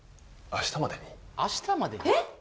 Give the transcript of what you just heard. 明日までにえっ！？